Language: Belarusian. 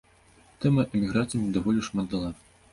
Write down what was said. Тэма эміграцыі мне даволі шмат дала.